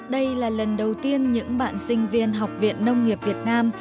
đây là lần đầu tiên những bạn sinh viên học viện nông nghiệp việt nam